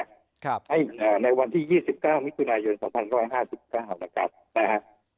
ให้ในวันที่ยี่สิบเก้ามิถุนายนสองพันร้อยห้าสิบเก้านะครับนะฮะ